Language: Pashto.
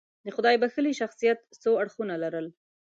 د خدای بښلي شخصیت څو اړخونه لرل.